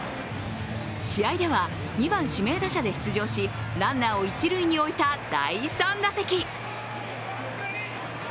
試合では、２番・指名打者で出場しランナーを一塁に置いた第３打席。